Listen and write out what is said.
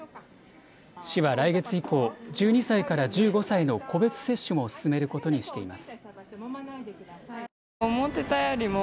市は来月以降、１２歳から１５歳の個別接種も進めることにしています。